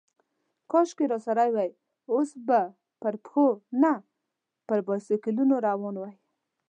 کاشکې راسره وای، اوس به پر پښو، نه پر بایسکلونو روان وای.